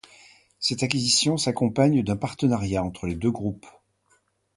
Cette acquisition s’accompagne d’un partenariat entre les deux groupes.